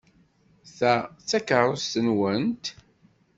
Ta d takeṛṛust-nwent?